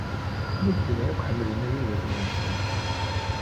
Medden akk ḥemmlen ibabaten-nsen.